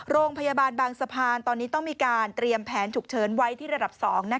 โรงพยาบาลบางสะพานตอนนี้ต้องมีการเตรียมแผนฉุกเฉินไว้ที่ระดับ๒